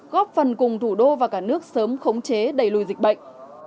góp phần cùng thủ đô và cả nước sớm khống chế đẩy lùi dịch bệnh